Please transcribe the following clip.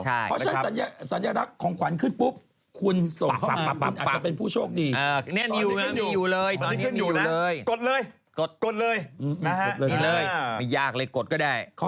กดเลยไม่ยากเลยกดก็ได้